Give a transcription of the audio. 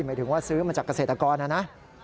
หมายถึงว่าซื้อมาจากเกษตรกรนะนะ